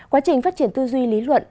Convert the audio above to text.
quá trình phát triển tư duy lý luận